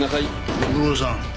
ご苦労さん。